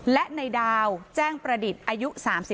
และในดาวแจ้งประดิษฐ์อายุ๓๒